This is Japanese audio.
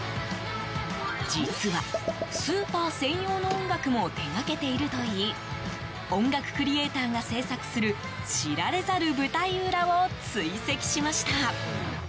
実は、スーパー専用の音楽も手掛けているといい音楽クリエーターが制作する知られざる舞台裏を追跡しました。